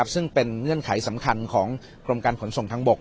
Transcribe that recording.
ซึ่งเป็นเงื่อนไขสำคัญของกรมการขนส่งทางบก